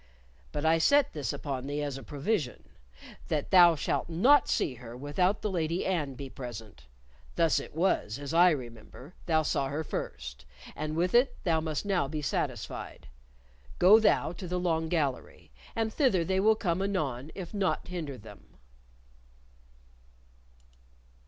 But I set this upon thee as a provision: that thou shalt not see her without the Lady Anne be present. Thus it was, as I remember, thou saw her first, and with it thou must now be satisfied. Go thou to the Long Gallery, and thither they will come anon if naught hinder them."